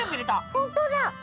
ほんとだ！